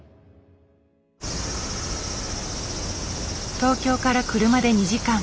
東京から車で２時間。